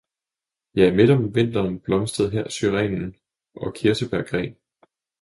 ja midt om vinteren blomstrede her syren og kirsebærgren.